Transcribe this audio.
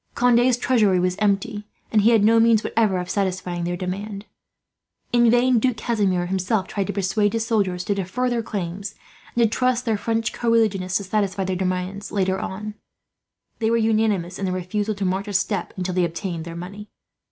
Conde's treasury was empty, and he had no means, whatever, of satisfying their demand. In vain Duke Casimir, himself, tried to persuade his soldiers to defer their claims, and to trust their French co religionists to satisfy their demands, later on. They were unanimous in their refusal to march a step, until they obtained their money.